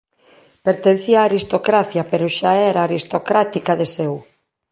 Pertencía á aristocracia, pero xa era aristocrática de seu.